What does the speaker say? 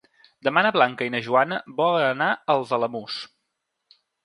Demà na Blanca i na Joana volen anar als Alamús.